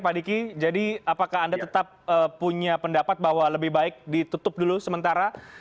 pak diki jadi apakah anda tetap punya pendapat bahwa lebih baik ditutup dulu sementara